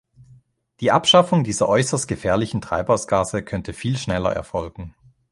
Die Abschaffung dieser äußerst gefährlichen Treibhausgase könnte viel schneller erfolgen.